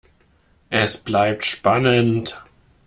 Es bleibt spannend.